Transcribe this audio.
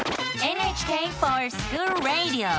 「ＮＨＫｆｏｒＳｃｈｏｏｌＲａｄｉｏ」！